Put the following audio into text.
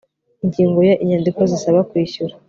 ingingo ya inyandiko zisaba kwishyura